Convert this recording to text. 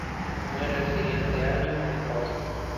Muere el siguiente año en Baltimore.